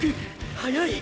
速い！